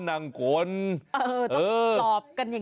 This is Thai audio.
ต้องตอบกันอย่างนี้